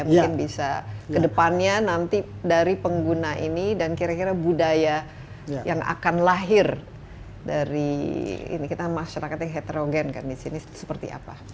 mungkin bisa kedepannya nanti dari pengguna ini dan kira kira budaya yang akan lahir dari ini kita masyarakat yang heterogen kan di sini seperti apa